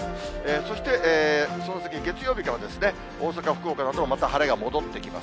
そして、その先、月曜日から大阪、福岡など、また晴れが戻ってきます。